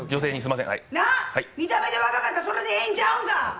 なあ、見た目で若かったらそれでええんちゃうか。